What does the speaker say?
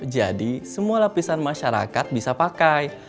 jadi semua lapisan masyarakat bisa pakai